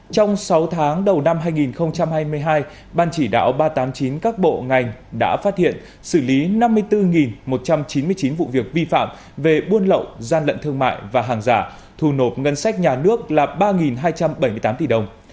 trong sáu tháng đầu năm hai nghìn hai mươi hai ban chỉ đạo ba trăm tám mươi chín các bộ ngành đã phát hiện xử lý năm mươi bốn một trăm chín mươi chín vụ việc vi phạm về buôn lậu gian lận thương mại và hàng giả thu nộp ngân sách nhà nước là ba hai trăm bảy mươi tám tỷ đồng